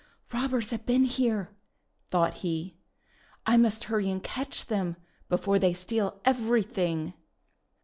"Robbers have been here!'1 thought he. :<I must hurry and catch them before they steal everything!'